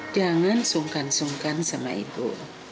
jangan sungkan sungkan sama ibu